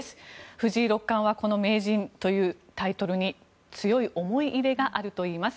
藤井六冠はこの名人というタイトルに強い思い入れがあるといいます。